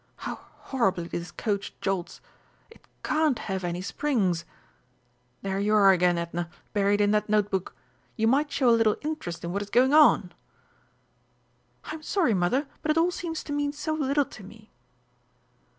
How horribly this coach jolts! It can't have any springs!... There you are again, Edna, buried in that note book! you might show a little interest in what is going on!" "I'm sorry, mother, but it all seems to mean so little to me."